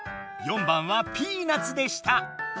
４番はピーナツでした。